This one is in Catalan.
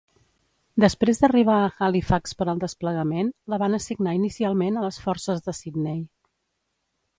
Després d'arribar a Halifax per al desplegament, la van assignar inicialment a les forces de Sydney.